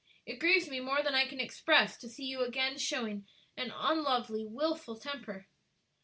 It grieves me more than I can express to see you again showing an unlovely, wilful temper."